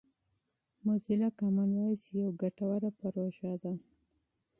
موزیلا کامن وایس یو ګټور پروګرام دی.